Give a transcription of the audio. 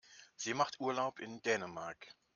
Sie macht Urlaub in Dänemark.